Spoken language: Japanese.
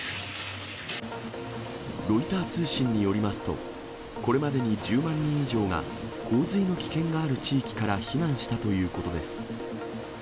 ロイター通信によりますと、これまでに１０万人以上が、洪水の危険がある地域から避難したということです。